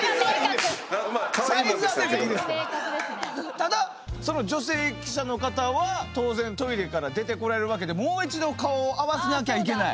ただその女性記者の方は当然トイレから出てこられるわけでもう一度顔を合わせなきゃいけない。